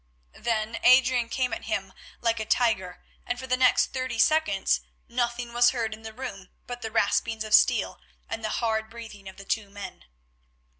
Then Adrian came at him like a tiger, and for the next thirty seconds nothing was heard in the room but the raspings of steel and the hard breathing of the two men.